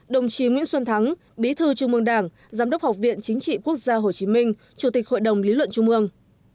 hai mươi ba đồng chí nguyễn xuân thắng bí thư trung mương đảng giám đốc học viện chính trị quốc gia hồ chí minh chủ tịch hội đồng lý luận trung mương